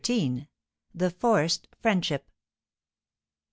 THE FORCED FRIENDSHIP.